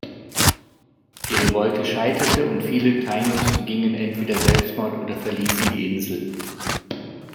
Die Revolte scheiterte und viele Taínos begingen entweder Selbstmord oder verließen die Insel.